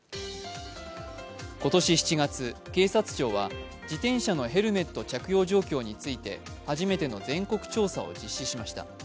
今年７月、警察庁は自転車のヘルメット着用状況について、初めての全国調査を実施しました。